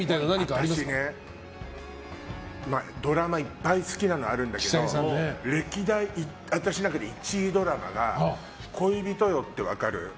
私ね、ドラマいっぱい好きなのあるんだけど歴代私の中で１位ドラマが「恋人よ」って分かる？